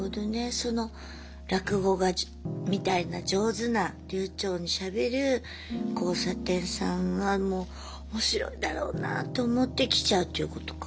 その落語がみたいな上手な流ちょうにしゃべる交差点さんはもう面白いだろうなと思って来ちゃうっていうことか。